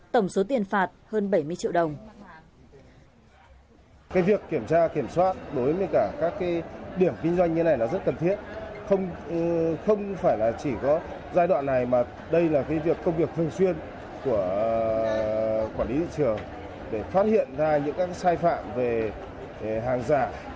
tổng số tiền phạt hơn bảy mươi triệu đồng